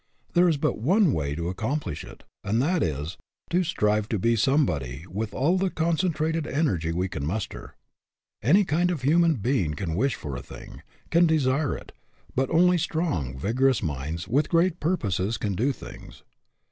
There is but one way to accomplish it; and that is, to strive to be somebody with all the concen trated energy we can muster. Any kind of a human being can wish for a thing, can desire it ; but only strong, vigorous minds with great purposes can do things.